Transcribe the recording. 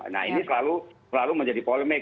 nah ini selalu menjadi polemik